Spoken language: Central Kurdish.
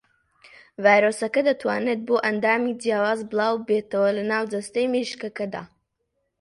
ڤایرۆسەکە دەتوانێت بۆ ئەندامی جیاواز بڵاوببێتەوە لە ناو جەستەی مریشکەکەدا.